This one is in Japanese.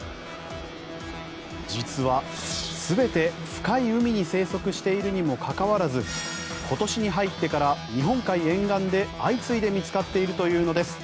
実は全て深い海に生息しているにもかかわらず今年に入ってから日本海沿岸で相次いで見つかっているというのです。